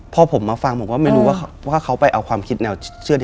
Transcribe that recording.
พอผมมาฟังผมก็ไม่รู้ว่าเขาไปเอาความคิดแนวเชื่อที่